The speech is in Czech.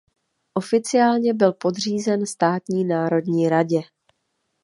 Oficiálně byl podřízen Státní národní radě.